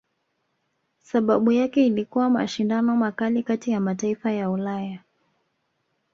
Sababu yake ilikuwa mashindano makali kati ya mataifa ya Ulaya